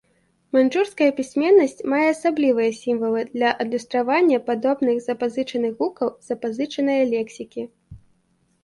Маньчжурская пісьменнасць мае асаблівыя сімвалы для адлюстравання падобных запазычаных гукаў з запазычанае лексікі.